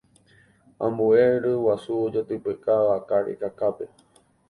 ambue ryguasu ojatypeka vaka rekakápe